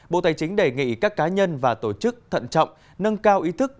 bộ tài chính đề nghị các cá nhân và tổ chức thận trọng nâng cao ý thức